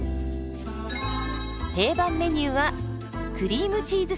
定番メニューはクリームチーズサーモン。